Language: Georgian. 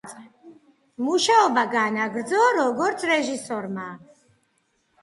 მუშაობა განაგრძო, როგორც რეჟისორმა.